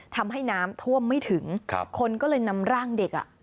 ทำให้น้ำท่วมไม่ถึงครับคนก็เลยนำร่างเด็กอ่ะ